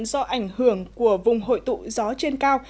do ảnh hưởng của vùng hội tụ gió trên cao